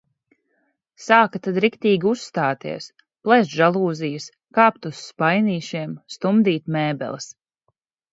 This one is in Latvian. Sāka tad riktīgi uzstāties – plēst žalūzijas, kāpt uz spainīšiem, stumdīt mēbeles.